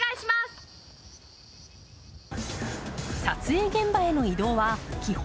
撮影現場への移動は基本